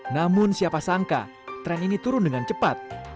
namun siapa sangka tren ini turun dengan cepat